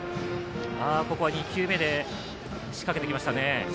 ここは２球目で仕掛けてきましたね。